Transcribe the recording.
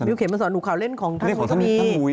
มิวเขียนมาสอนหนูข่าวเล่นของท่านมุ้ยก็มี